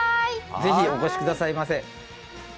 ぜひお越しくださいませ。